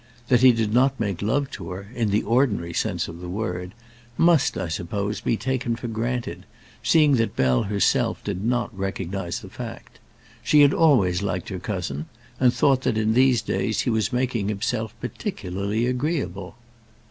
That he did not make love to her, in the ordinary sense of the word, must, I suppose, be taken for granted, seeing that Bell herself did not recognize the fact. She had always liked her cousin, and thought that in these days he was making himself particularly agreeable.